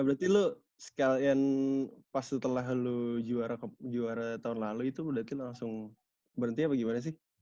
berarti lo sekalian pas setelah lu juara tahun lalu itu berarti langsung berhenti apa gimana sih